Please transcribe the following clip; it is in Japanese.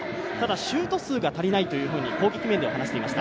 シュート数が足りないというふうに攻撃面では話していました。